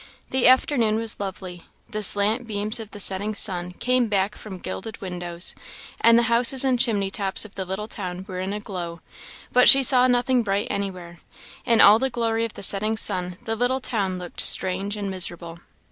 The afternoon was lovely; the slant beams of the setting sun came back from gilded windows, and the houses and chimney tops of the little town were in a glow; but she saw nothing bright anywhere; in all the glory of the setting sun the little town looked strange and miserable.